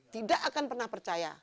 tidak akan pernah percaya